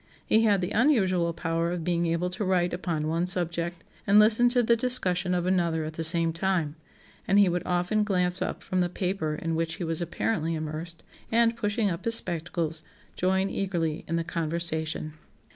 He had the unusual power of being able to write upon one subject and listen to the discussion of another at the same time; and he would often glance up from the paper in which he was apparently immersed, and pushing up his spectacles join eagerly in the conversation."